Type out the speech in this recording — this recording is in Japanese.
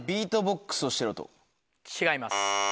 違います。